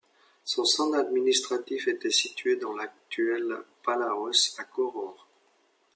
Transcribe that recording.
Son centre administratif était situé dans l'actuel Palaos, à Koror.